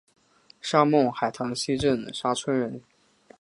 沙孟海塘溪镇沙村人。